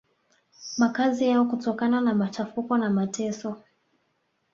makazi yao kutokana na machafuko na mateso